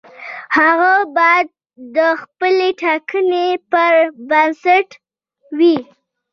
هغه باید د خپلې ټاکنې پر بنسټ وي.